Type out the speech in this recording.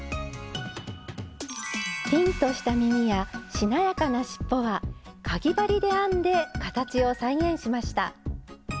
ピンとした耳やしなやかなしっぽはかぎ針で編んで形を再現しました。